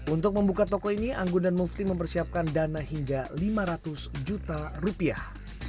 untuk membuka toko ini anggun dan mufti mempersiapkan dana hingga lima ratus juta rupiah